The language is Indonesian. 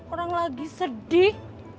orang lagi sedih